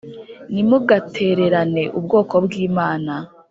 Ntimugatererane ubwoko bw’Imana